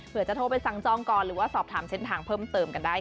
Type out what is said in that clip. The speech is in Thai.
เพื่อจะโทรไปสั่งจองก่อนหรือว่าสอบถามเส้นทางเพิ่มเติมกันได้